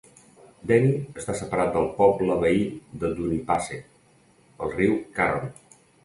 Denny està separat del poble veí de Dunipace pel riu Carron.